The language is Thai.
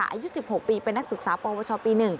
อายุ๑๖ปีเป็นนักศึกษาปวชปี๑